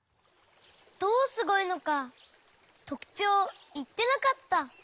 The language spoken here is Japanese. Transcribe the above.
どうすごいのかとくちょうをいってなかった。